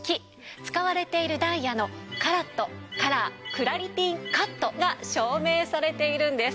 使われているダイヤのカラットカラークラリティカットが証明されているんです。